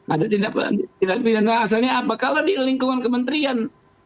ada tindak pidana asalnya apakah di lingkungan kementerian